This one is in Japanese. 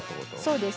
そうです。